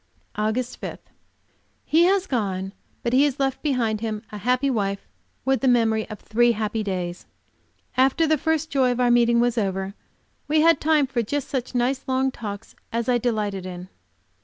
AUGUST 5. He has gone, but he has left behind him a happy wife and the memory of three happy days. After the first joy of our meeting was over, we had time for just such nice long talks as I delight in.